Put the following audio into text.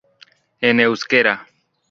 En euskera